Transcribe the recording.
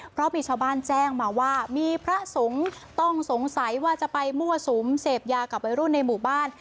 เพราะมีชาวบ้านแจ้งมาว่ามีพระสงฆ์ต้องสงสัยว่าจะไปมั่วสุมเสพยากับวัยรุ่นในหมู่บ้าน